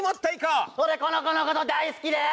俺この子の事大好きです！